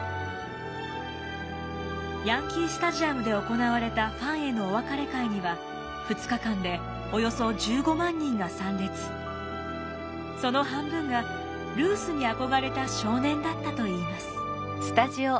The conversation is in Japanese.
ヤンキースタジアムで行われたファンへのお別れ会にはその半分がルースに憧れた少年だったといいます。